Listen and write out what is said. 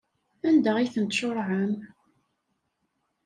Anda ay ten-tcuṛɛem?